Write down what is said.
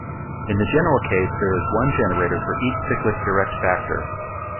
In the general case there is one generator for each cyclic direct factor.